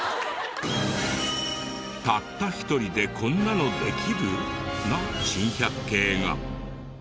たった１人でこんなのできる？な珍百景が。